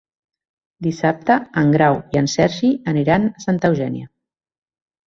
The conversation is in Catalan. Dissabte en Grau i en Sergi aniran a Santa Eugènia.